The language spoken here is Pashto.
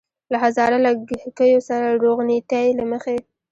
له هزاره لږکیو سره روغنيتۍ له مخې.